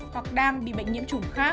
hoặc đang bị bệnh nhiễm chủng khác